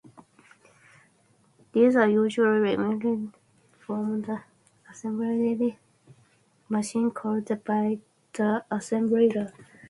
These are usually removed from the assembled machine code by the assembler.